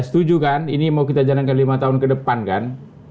setuju kan ini mau kita jalankan lima tahun ke depan kan